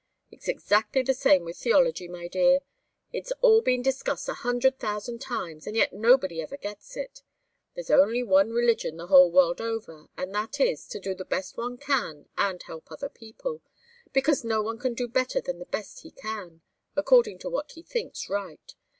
It's exactly the same with theology, my dear. It's all been discussed a hundred thousand times, and yet nobody ever gets in. There's only one religion the whole world over, and that is, to do the best one can and help other people because no one can do better than the best he can, according to what he thinks right.